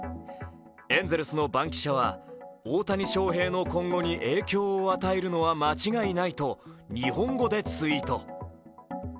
エンゼルスの番記者は、大谷翔平の今後に影響を与えるのは間違いないと日本語でツイート。